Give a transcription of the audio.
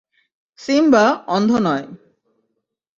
Simba অন্ধ নয়।